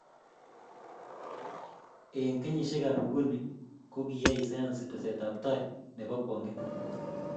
Eng' kenyisiekab nguni ko kiyai sayansi tesetab tai nebo bokwong'e